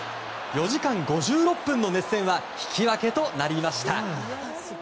４時間５６分の熱戦は引き分けとなりました。